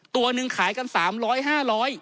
ตัวหนึ่งขายกันสามร้อยห้าร้อย